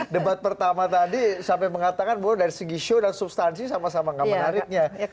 debat pertama tadi sampai mengatakan bahwa dari segi show dan substansi sama sama gak menariknya